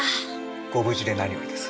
ご無事で何よりです。